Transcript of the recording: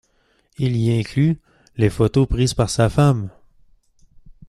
Il y inclut les photos prises par sa femme.